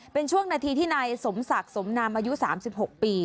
เป็นช่วงนาทีที่นายสมศักดิ์สมนามอายุ๓๖ปี